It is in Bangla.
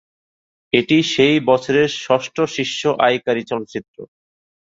এটি সেই বছরের ষষ্ঠ শীর্ষ আয়কারী চলচ্চিত্র।